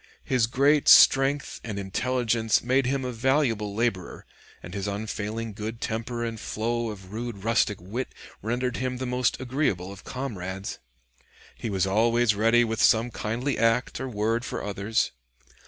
His great strength and intelligence made him a valuable laborer, and his unfailing good temper and flow of rude rustic wit rendered him the most agreeable of comrades. He was always ready with some kindly act or word for others.